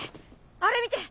あれ見て！